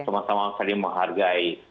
sama sama saling menghargai